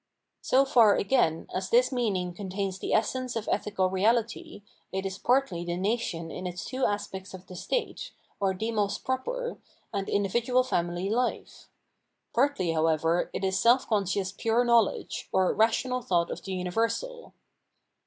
So far, again, as this meaning contams the essence of ethical reality, it is partly the nation in its two aspects of the state, or Denms proper, and individual family hfe ; partly, however, it is self conscious pure knowledge, or rational thought of the universal.